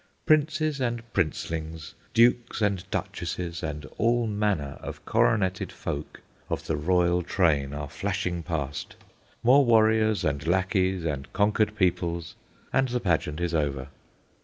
Princes and princelings, dukes, duchesses, and all manner of coroneted folk of the royal train are flashing past; more warriors, and lackeys, and conquered peoples, and the pageant is over.